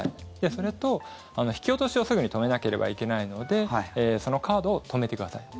それと、引き落としをすぐに止めなければいけないのでそのカードを止めてください。